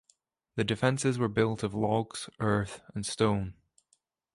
The defences were built of logs, earth, and stone.